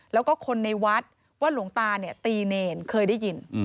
แล้วก็คนในวัดว่าหลวงตาเนี่ยตีเนรเคยได้ยิน